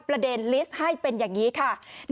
ประเด็นลิสต์ให้เป็นอย่างนี้ค่ะ